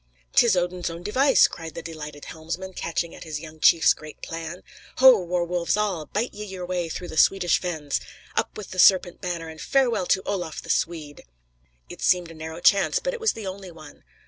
"'Tis Odin's own device," cried the delighted helmsman, catching at his young chief's great plan. "Ho, war wolves all, bite ye your way through the Swedish fens! Up with the serpent banner, and farewell to Olaf the Swede!" It seemed a narrow chance, but it was the only one.